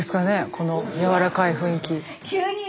この柔らかい雰囲気。